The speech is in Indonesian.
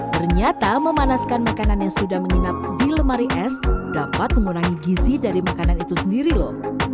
ternyata memanaskan makanan yang sudah menginap di lemari es dapat mengurangi gizi dari makanan itu sendiri loh